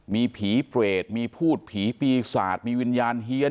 มีผีเปรตมีพูดผีปีศาจมีวิญญาณเฮียน